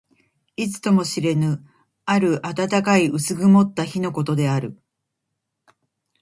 いつとも知れぬ、ある暖かい薄曇った日のことである。